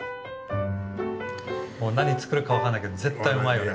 もう何作るか分かんないけど絶対うまいよね。